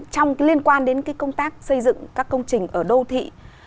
trong liên quan đến công tác xây dựng các công trình ở đô thị